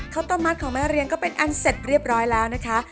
ต้มมัดของแม่เรียงก็เป็นอันเสร็จเรียบร้อยแล้วนะคะ